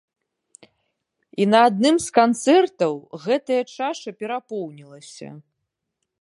І на адным з канцэртаў гэтая чаша перапоўнілася.